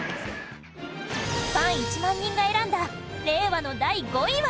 ファン１万人が選んだ令和の第５位は